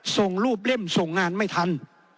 ส่งรูปเล่มส่งงานไม่ทัน